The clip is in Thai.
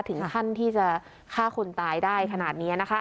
ถึงขั้นที่จะฆ่าคนตายได้ขนาดนี้นะคะ